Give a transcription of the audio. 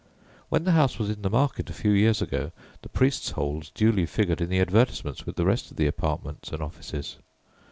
When the house was in the market a few years ago, the "priests' holes" duly figured in the advertisements with the rest of the apartments and offices.